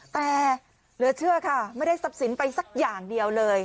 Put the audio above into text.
แต่เหลือเชื่อค่ะไม่ได้ทรัพย์สินไปสักอย่างเดียวเลย